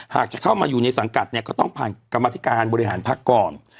หากจะเข้ามาอยู่ในสังกัดต้องผ่านกรรมาติการบริหารภกร